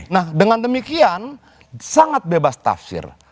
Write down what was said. nah dengan demikian sangat bebas tafsir